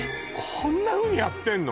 こんなふうにやってんの？